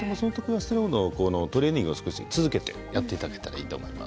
トレーニングを続けてやっていただけたらいいと思います。